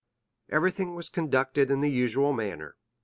Everything was conducted in the usual manner.